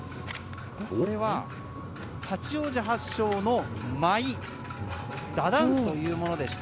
これは八王子発祥の舞打ダンスというものでして。